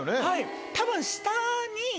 はいたぶん下に。